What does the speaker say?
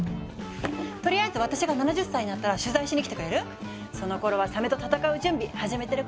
とりあえず私が７０歳になったら取材しに来てくれる？そのころはサメと戦う準備始めてるころだから。